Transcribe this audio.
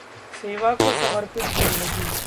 सेवा को समर्पित जिंदगी